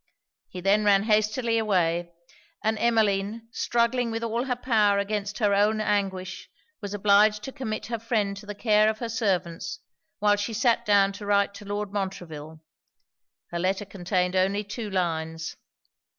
He then ran hastily away; and Emmeline, struggling with all her power against her own anguish, was obliged to commit her friend to the care of her servants, while she sat down to write to Lord Montreville. Her letter contained only two lines.